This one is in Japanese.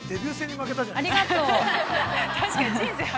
ありがとう。